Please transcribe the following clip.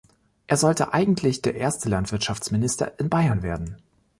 Er sollte eigentlich der erste Landwirtschaftsminister in Bayern werden.